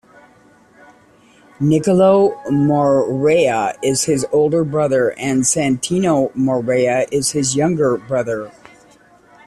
Nicolo Morea is his older brother, and Santino Morea is his younger brother.